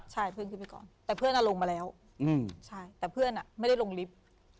ใช่เพื่อนขึ้นไปก่อนแต่เพื่อนลงมาแล้วใช่แต่เพื่อนไม่ได้ลงลิฟต์